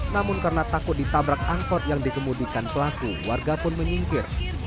namun karena takut ditabrak angkot yang dikemudikan pelaku warga pun menyingkir